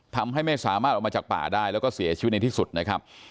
ทำให้ไม่สามารถออกมาจากป่าได้แล้วก็เสียชีวิตในที่สุดนะครับ